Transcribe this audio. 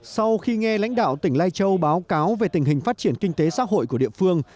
sau khi nghe lãnh đạo tỉnh lai châu báo cáo về tình hình phát triển kinh tế xã hội của địa phương